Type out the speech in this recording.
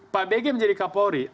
pak bg menjadi kapolri